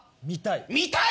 見たい。